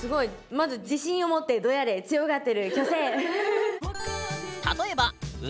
まず「自信を持ってドヤれ強がってる虚勢！！」。